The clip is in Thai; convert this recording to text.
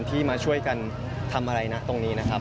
ที่มาช่วยกันทำอะไรนะตรงนี้นะครับ